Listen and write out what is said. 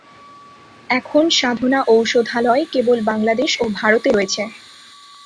এখন সাধনা ঔষধালয় কেবল বাংলাদেশ ও ভারত এ রয়েছে।